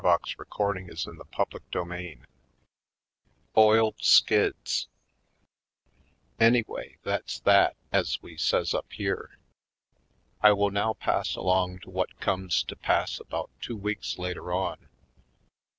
Oiled Skids 173 CHAPTER XIV Oiled Skids ANYWAY, that's that, as we says up here. I will now pass along to what comes to pass about two weeks later on.